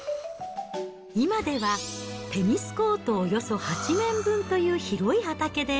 今では、テニスコートおよそ８面分という広い畑で、